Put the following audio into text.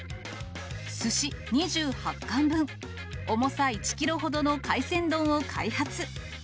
すし２８貫分、重さ１キロほどの海鮮丼を開発。